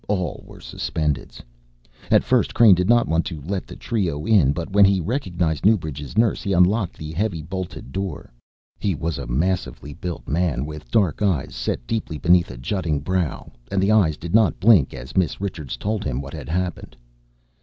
All were Suspendeds. At first Crane did not want to let the trio in but when he recognized Newbridge's nurse he unlocked the heavily bolted door. He was a massively built man with dark eyes set deeply beneath a jutting brow and the eyes did not blink as Miss Richards told him what had happened.